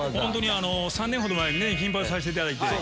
３年ほど前に金髪にさせていただいて。